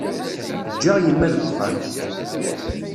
Ǧǧiɣ yemma deg uxxam.